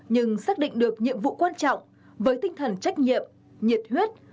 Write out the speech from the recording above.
nhưng xác định được nhiệm vụ quan trọng với tinh thần trách nhiệm nhiệt huyết